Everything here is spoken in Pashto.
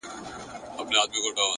مړ مه سې ـ د بل ژوند د باب وخت ته ـ